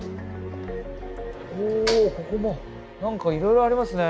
おここも何かいろいろありますね。